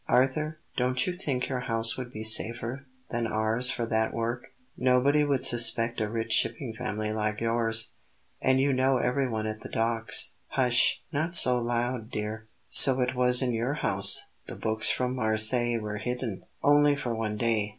Arthur, don't you think your house would be safer than ours for that work? Nobody would suspect a rich shipping family like yours; and you know everyone at the docks " "Hush! not so loud, dear! So it was in your house the books from Marseilles were hidden?" "Only for one day.